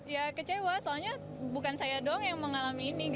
ya kecewa soalnya bukan saya doang yang mengalami ini